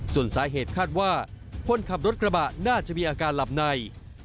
ส่วนสาเหตุคาดว่าคนขับรถกระบะน่าจะมีอาการหลับใน